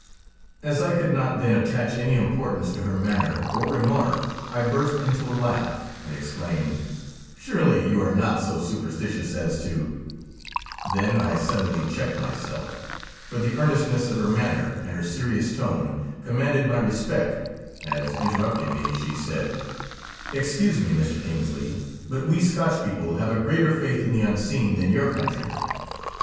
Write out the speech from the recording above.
As I could not then attach any importance to her manner or remark I burst into a laugh, and exclaimed :' Surely you are not so superstitious as to ' Then I suddenly checked myself, for the earnestness of her manner and her serious tone commanded my respect, as interrupting me she said :' Excuse me, Mr. Kingsley, but we Scotch people have a greater faith in the unseen than your countrymen.